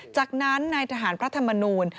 จากนั้นนายทหารพระธรรมนูล